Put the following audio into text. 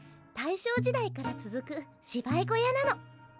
大正時代から続く芝居小屋なの。